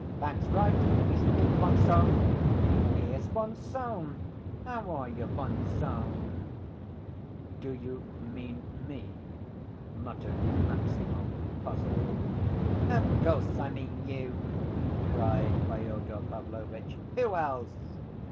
That's right, isn't it, von Sohn? Here's von Sohn. How are you, von Sohn?" "Do you mean me?" muttered Maximov, puzzled. "Of course I mean you," cried Fyodor Pavlovitch. "Who else?